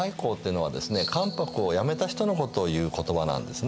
関白をやめた人のことをいう言葉なんですね。